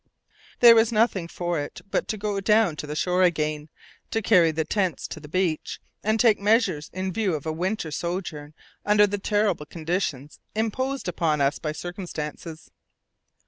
There was nothing for it but to go down to the shore again, to carry the tents to the beach, and take measures in view of a winter sojourn under the terrible conditions imposed upon us by circumstances.